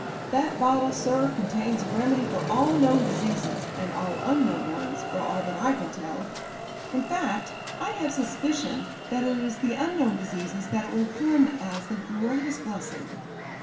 "That bottle, sir, contains a remedy for all known diseases, and all unknown ones, for all that I can tell. In fact, I have a suspicion that it is to the unknown diseases that it will come as the greatest blessing.